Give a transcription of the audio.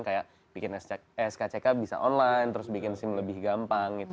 kayak bikin skck bisa online terus bikin sim lebih gampang gitu